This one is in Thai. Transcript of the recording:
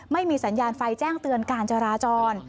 ไม่มีสัญญาณไฟแจ้งเตือนการจราจร